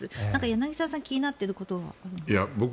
柳澤さん、気になっていることがあるんですよね？